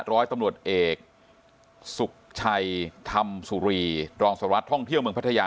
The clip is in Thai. ร้อยตำรวจเอกสุขชัยธรรมสุรีรองสหรัฐท่องเที่ยวเมืองพัทยา